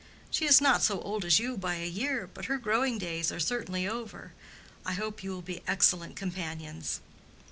"She is not so old as you by a year, but her growing days are certainly over. I hope you will be excellent companions."